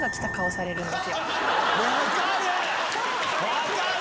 分かる！